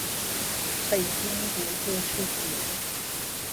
北京爷，就是爷！